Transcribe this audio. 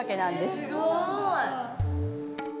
すごい。